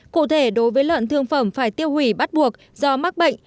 cụ thể đối với lợn thương phẩm phải tiêu hủy bắt buộc do mắc bệnh